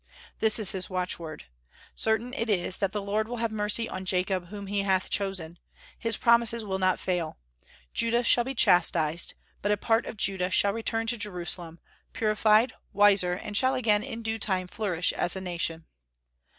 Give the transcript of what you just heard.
This is his watchword. Certain is it that the Lord will have mercy on Jacob whom he hath chosen; his promises will not fail. Judah shall be chastised; but a part of Judah shall return to Jerusalem, purified, wiser, and shall again in due time flourish as a nation.